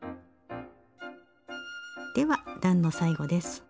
では段の最後です。